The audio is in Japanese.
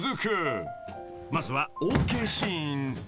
［まずはＯＫシーン］